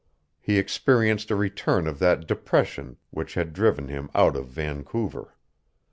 He experienced a return of that depression which had driven him out of Vancouver.